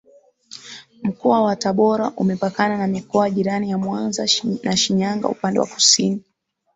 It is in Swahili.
Mkoa wa tabora Umepakana na mikoa jirani ya Mwanza na Shinyanga upande wa kusini